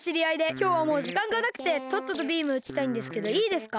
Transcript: きょうはもうじかんがなくてとっととビームうちたいんですけどいいですか？